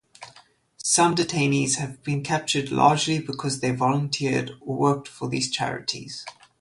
Some detainees have been captured largely because they volunteered or worked for these charities.